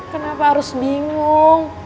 kenapa harus bingung